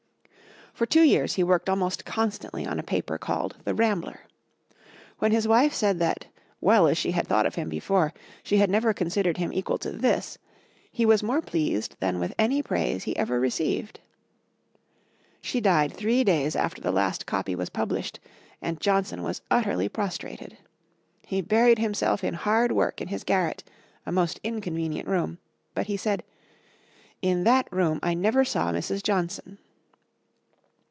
For two years he worked almost constantly on a paper called the "Rambler." When his wife said that, well as she had thought of him before, she had never considered him equal to this, he was more pleased than with any praise he ever received. She died three days after the last copy was published, and Johnson was utterly prostrated. He buried himself in hard work in his garret, a most inconvenient room; but he said, "In that room I never saw Mrs. Johnson."